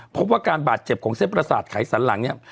พบว่าการบาดเจ็บของเส้นประสาทไขสันหลังเนี่ย